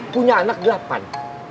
punya anak delapan